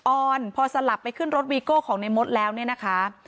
ออนพอสลับไปขึ้นรถวีโก้ของในมดแล้วเนี่ยนะคะ